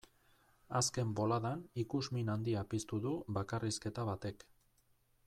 Azken boladan ikusmin handia piztu du bakarrizketa batek.